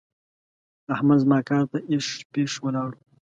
احمد زما کار ته اېښ پېښ ولاړ وو.